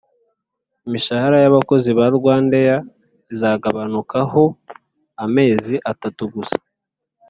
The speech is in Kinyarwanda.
Imishahara y’abakozi ba Rwandair izagabanukaho % amezi atatu gusa